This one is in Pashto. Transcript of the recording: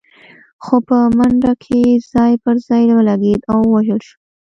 خو په منډه کې ځای پر ځای ولګېد او ووژل شو.